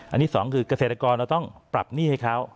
อันนี้สองคือเกษตรกรเราต้องปรับหนี้ให้เขา